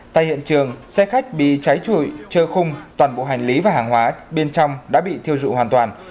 tại hiện trường xe khách bị cháy trụi trơ khung toàn bộ hành lý và hàng hóa bên trong đã bị thiêu dụ hoàn toàn